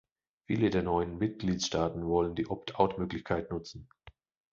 Viele der neuen Mitgliedstaaten wollen die Opt-out-Möglichkeit nutzen.